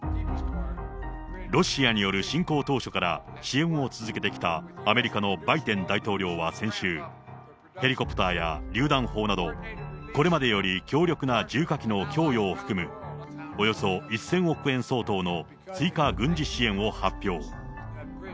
ロシアによる侵攻当初から支援を続けてきたアメリカのバイデン大統領は先週、ヘリコプターやりゅう弾砲など、これまでより強力な重火器の供与を含む、およそ１０００億円相当の追加軍事支援を発表。